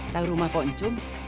tahu rumah poncum